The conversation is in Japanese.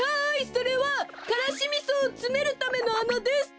それはからしみそをつめるためのあなです！